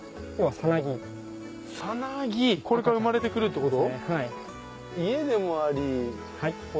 サナギこれから生まれて来るってこと？